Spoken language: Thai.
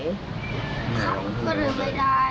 เขาก็เดินไม่ได้